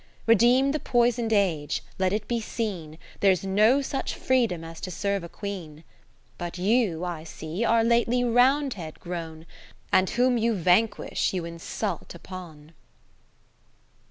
Redeem the poison'd Age, let it be seen There's no such freedom as to serve a Queen. But you I see are lately Round head grown, And whom you vanquish you insult upon.